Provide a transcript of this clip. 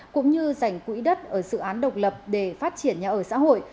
cũng như dành quỹ đất ở dự án độc lập để phát triển nhà ở xã hội